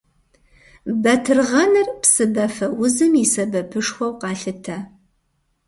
Батыргъэныр псыбафэузым и сэбэпышхуэу къалъытэ.